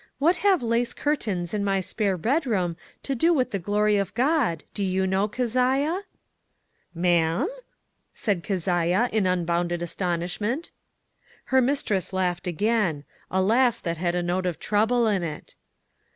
" What have lace curtains in my spare bedroom to do with the glory of God, do you know, Keziah ?"" Ma'am ?" said Keziah, in unbounded as tonishment. Her mistress laughed again — a laugh that had a note of trouble in it.